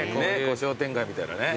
商店街みたいなね。